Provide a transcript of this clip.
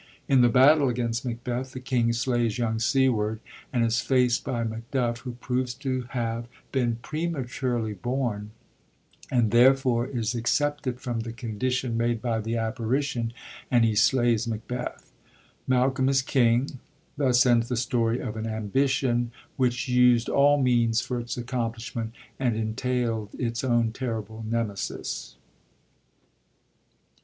In the battle against Macbeth, the king slays young Siward, and is faced by Macduff, who proves to have been prematurely bom, and therefore is excepted from the condition niade by the apparition, and he slays Macbeth. Malcolm is king. Thus ends the story of an ambition which used all means for its accomplishment, and entaild its own terrible Nemesis.